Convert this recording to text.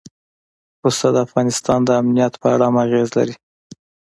پسه د افغانستان د امنیت په اړه هم اغېز لري.